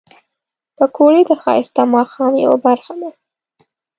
پکورې د ښایسته ماښام یو برخه ده